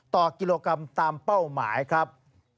ต่อกิโลกรัมตามเป้าหมายครับ